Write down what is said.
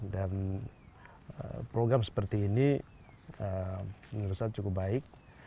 program seperti ini menurut saya cukup baik